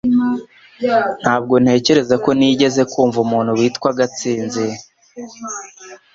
Ntabwo ntekereza ko nigeze numva umuntu witwa Gatsinzi